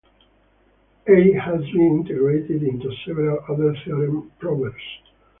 E has been integrated into several other theorem provers.